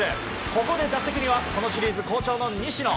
ここで、打席にはこのシリーズ好調の西野。